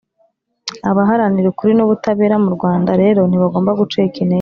abaharanira ukuri n'ubutabera mu rwanda rero ntibagomba gucika intege.